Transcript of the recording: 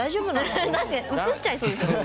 うつっちゃいそうですよね。